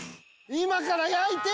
今から焼いて！